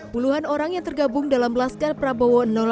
puluhan orang yang tergabung dalam laskar prabowo delapan